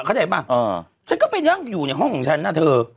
เข้าใจป่ะฉันก็ไปนั่งอยู่ในห้องของฉันนะเธอ